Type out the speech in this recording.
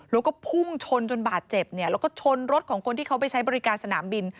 แล้วก็พุ่งชนจนบาดเจ็บเนี่ยแล้วก็ชนรถของคนที่เขาไปใช้บริการสนามบิน